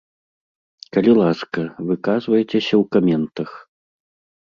Калі ласка, выказвайцеся ў каментах.